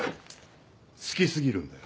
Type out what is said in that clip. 好き過ぎるんだよ。